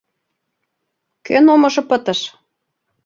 Кӧн омыжо пытыш?